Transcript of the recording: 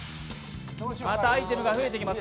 またアイテムが増えていきます。